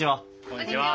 こんにちは。